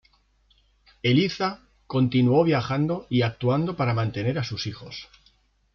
Eliza continuó viajando y actuando para mantener a sus hijos.